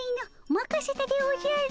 まかせたでおじゃる。